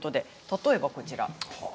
例えば、こちらです。